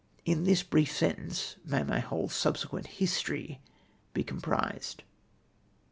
In this biief sentence may my whole subsequent history be com prised. ]'2G CHAP.